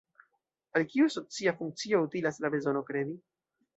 Al kiu socia funkcio utilas la bezono kredi?